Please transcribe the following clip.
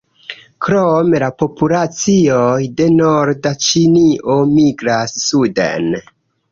Krome la populacioj de norda Ĉinio migras suden.